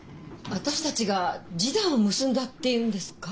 私たちが示談を結んだって言うんですか？